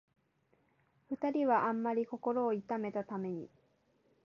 二人はあんまり心を痛めたために、